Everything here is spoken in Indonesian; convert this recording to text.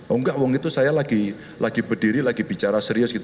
oh enggak wong itu saya lagi berdiri lagi bicara serius gitu